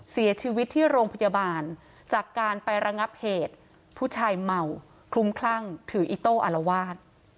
เสียชีวิตที่โรงพยาบาลจากการไประงับเหตุผู้ชายเมาคลุมคลั่งถืออิโต้อารวาส